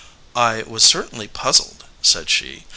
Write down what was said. "I was certainly puzzled," said she.